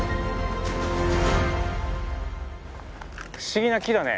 不思議な木だね。